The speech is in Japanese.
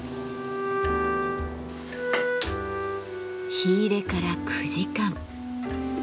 火入れから９時間。